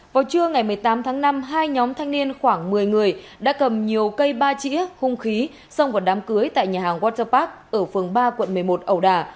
vào trưa ngày một mươi tám tháng năm hai nhóm thanh niên khoảng một mươi người đã cầm nhiều cây ba chĩa hung khí xông vào đám cưới tại nhà hàng waterpac ở phường ba quận một mươi một ẩu đà